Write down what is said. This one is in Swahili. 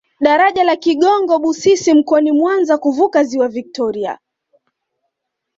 Daraja la Kigongo Busisi mkoani mwanza kuvuka ziwa viktoria